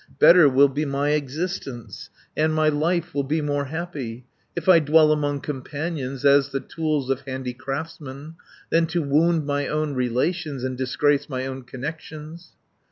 Better will be my existence, And my life will be more happy, If I dwell among companions, As the tools of handicraftsmen, 190 Than to wound my own relations, And disgrace my own connections.'